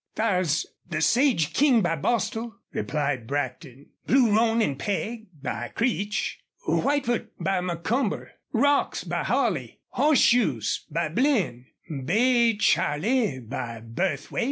"Thar's the Sage King by Bostil," replied Brackton. "Blue Roan an' Peg, by Creech; Whitefoot, by Macomber; Rocks, by Holley; Hoss shoes, by Blinn; Bay Charley, by Burthwait.